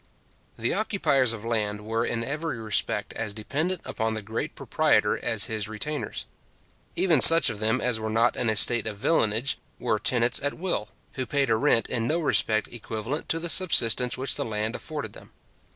The occupiers of land were in every respect as dependent upon the great proprietor as his retainers. Even such of them as were not in a state of villanage, were tenants at will, who paid a rent in no respect equivalent to the subsistence which the land afforded them.